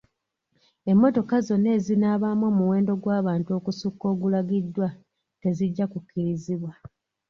Emmotoka zonna ezinaabaamu omuwendo gw'abantu okusukka ogulagiddwa tezijja kukkirizibwa.